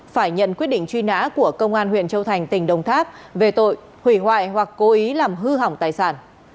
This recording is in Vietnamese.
phải nhận quyết định truy nã của công an huyện châu thành tỉnh đồng tháp về tội hủy hoại hoặc cố ý làm hư hỏng tài sản